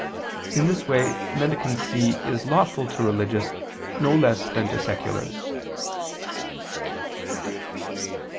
In this way mendicancy is lawful to religious no less than to seculars.